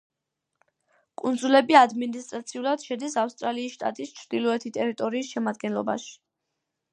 კუნძულები ადმინისტრაციულად შედის ავსტრალიის შტატის ჩრდილოეთი ტერიტორიის შემადგენლობაში.